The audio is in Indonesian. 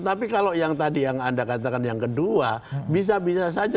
tapi kalau yang tadi yang anda katakan yang kedua bisa bisa saja